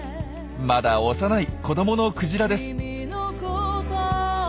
まだ幼い子どものクジラです。